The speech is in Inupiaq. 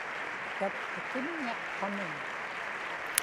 tatqakimña qamun